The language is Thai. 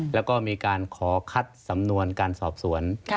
แล้วก็มีการขอคัดสำนวนการสอบสวน